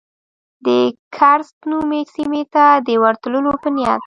د کرز نومي سیمې ته د ورتلو په نیت.